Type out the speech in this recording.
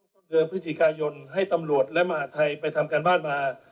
ต้นเดือนพฤศจิกายนให้ตำรวจและมหาทัยไปทำการบ้านมา